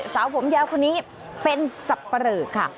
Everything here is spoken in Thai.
สาวผมยาวคนนี้เป็นสับปะเหลอค่ะ